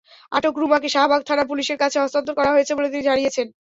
আটক রুমাকে শাহবাগ থানা-পুলিশের কাছে হস্তান্তর করা হয়েছে বলে তিনি জানিয়েছেন।